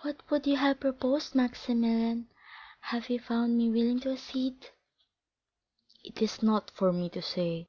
"What would you have proposed, Maximilian, had you found me willing to accede?" "It is not for me to say."